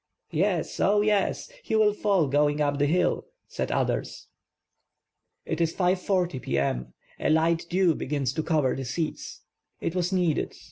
"Yes, oh yes; he will fall going up the hill," said others. It is 5 :40 p. m. ; a light dew begins to cover the seats. It was needed.